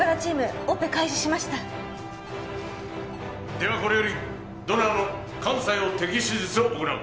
ではこれよりドナーの肝左葉摘出手術を行う。